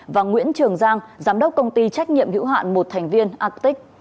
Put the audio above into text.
và nguyễn trường giang giám đốc công ty trách nhiệm hữu hạn một thành viên actic